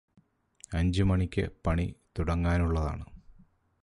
അഞ്ചു മണിക്ക് പണി തുടങ്ങാനുള്ളതാണ്